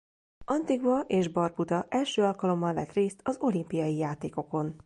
Antigua és Barbuda első alkalommal vett részt az olimpiai játékokon.